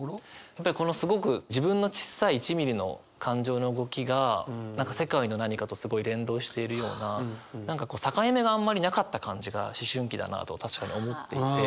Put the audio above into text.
やっぱりこのすごく自分のちっさい１ミリの感情の動きが何か世界の何かとすごい連動しているような何かこう境目があんまりなかった感じが思春期だなと確かに思っていて。